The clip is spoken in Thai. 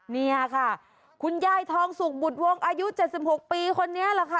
นี่ค่ะคุณยายทองสุกบุตรวงอายุ๗๖ปีคนนี้แหละค่ะ